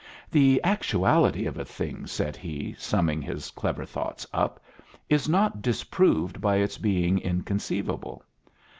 "The actuality of a thing," said he, summing his clever thoughts up, "is not disproved by its being inconceivable.